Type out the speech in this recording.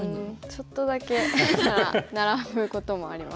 ちょっとだけなら並ぶこともあります。